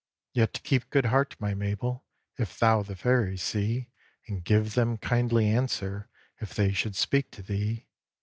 "Yet keep good heart, my Mabel, If thou the Fairies see, And give them kindly answer If they should speak to thee.